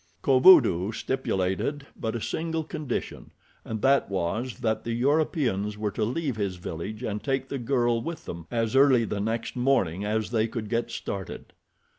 Kovudoo stipulated but a single condition and that was that the Europeans were to leave his village and take the girl with them as early the next morning as they could get started.